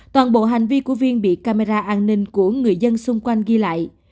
toàn bộ hành vi của viên bị camera an ninh của người dân xung quanh ghi lại